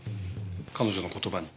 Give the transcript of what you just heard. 彼女の言葉に。